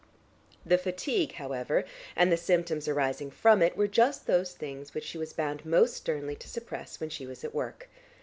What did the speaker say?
The fatigue, however, and the symptoms arising from it were just those things which she was bound most sternly to suppress when she was at work.